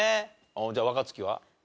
じゃあ若槻は？